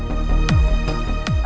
pabos sudah sampai